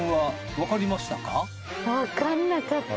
わかんなかった。